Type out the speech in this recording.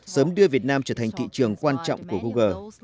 sớm đưa việt nam trở thành thị trường quan trọng của google